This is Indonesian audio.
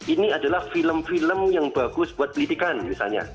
ini adalah film film yang bagus buat belitikan misalnya